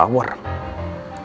dia punya kekuasaan